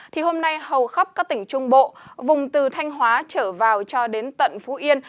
thì hôm nay hầu khắp các tỉnh trung bộ vùng từ thanh hóa trở vào cho đến tận phú yên